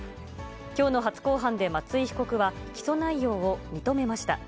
きょうの初公判で、松井被告は起訴内容を認めました。